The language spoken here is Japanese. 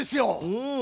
うん。